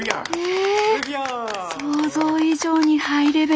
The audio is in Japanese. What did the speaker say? え想像以上にハイレベル。